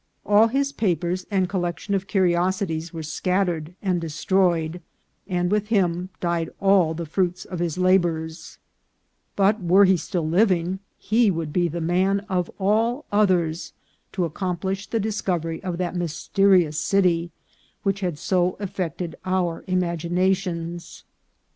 All his papers and collection of curiosities were scattered and destroyed, and with him died all the fruits of his la bours ; but, were he still living, he would be the man, of all others, to accomplish the discovery of that myste rious city which had so much affected our imaginations.